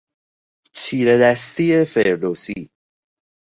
چیرهدستی فردوسی